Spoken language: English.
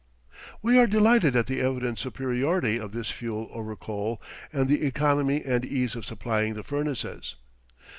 We are delighted at the evident superiority of this fuel over coal, and the economy and ease of supplying the furnaces.